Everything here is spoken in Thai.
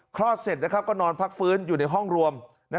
คลอดเสร็จก็นอนพักฟื้นอยู่ในห้องรวม